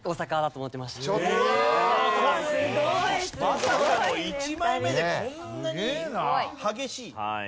まさかの１枚目でこんなに激しい。